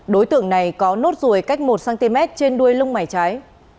đối tượng này có nốt ruồi cách một cm trên đuôi lông mảy trái